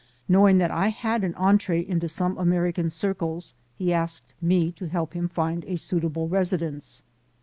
Knowing that I had an entree into some American circles, he asked me to help him find a suitable residence.